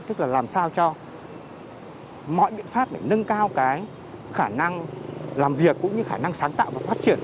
tức là làm sao cho mọi biện pháp để nâng cao cái khả năng làm việc cũng như khả năng sáng tạo và phát triển